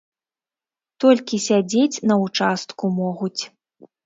Толькі сядзець на ўчастку могуць.